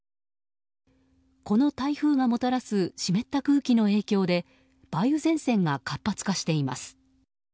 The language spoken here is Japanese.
この台風がもたらす湿った空気の影響で梅雨前線が活発化しています。